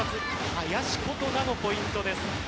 林琴奈のポイントです。